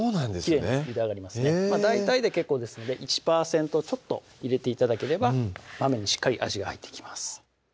きれいにゆで上がりますね大体で結構ですので１％ちょっと入れて頂ければ豆にしっかり味が入っていきます